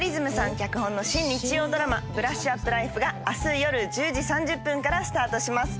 脚本の新日曜ドラマ『ブラッシュアップライフ』が明日夜１０時３０分からスタートします。